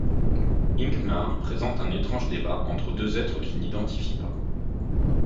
Hincmar présente un étrange débat entre deux êtres qu'il n'identifie pas.